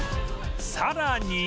さらに